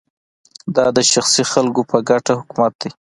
دا د شخصي خلکو په ګټه حکومت دی